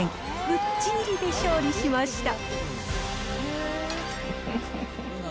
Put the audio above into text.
ぶっちぎりで勝利しました。